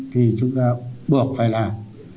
thì chúng ta buộc phải làm